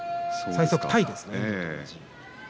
最速タイです。